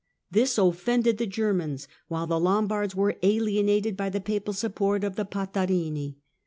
This offended the Germans, while the Lombards were alienated by the papal support of the Patarini.